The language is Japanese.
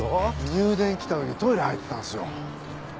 入電来た時トイレ入ってたんですよ。